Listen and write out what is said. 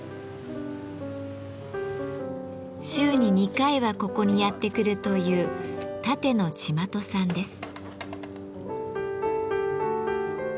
週に２回はここにやって来るという立野千万人さんです。